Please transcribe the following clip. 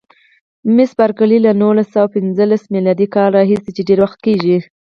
مس بارکلي: له نولس سوه پنځلسم میلادي کال راهیسې چې ډېر وخت کېږي.